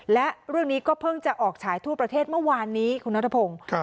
และเรื่องนี้ก็เพิ่งจะออกฉายทั่วประเทศเมื่อวานนี้คุณนัทพงศ์